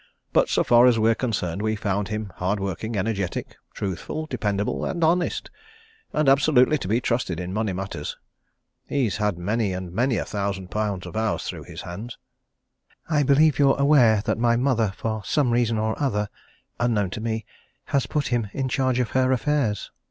But so far as we're concerned, we found him hardworking, energetic, truthful, dependable and honest, and absolutely to be trusted in money matters. He's had many and many a thousand pounds of ours through his hands." "I believe you're unaware that my mother, for some reason or other, unknown to me, has put him in charge of her affairs?"